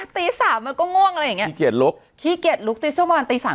ตีสามมันก็ง่วงอะไรอย่างเงี้ขี้เกียจลุกขี้เกียจลุกตีช่วงประมาณตีสาม